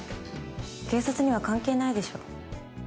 警察には関係ないでしょう。